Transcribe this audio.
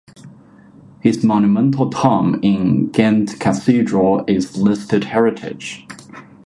His monumental tomb in Ghent Cathedral is listed heritage.